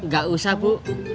gak usah bu